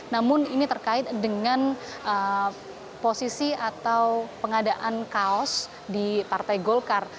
namun ini terkait dengan posisi atau pengadaan kaos di partai golkar